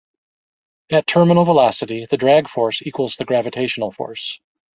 At terminal velocity, the drag force equals the gravitational force.